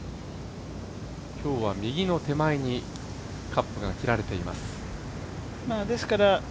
今日は右の手前にカップが切られています。